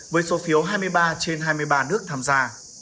với số phiếu hai mươi ba trên hai mươi ba nước tham gia